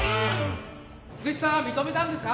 ・菊池さんは認めたんですか？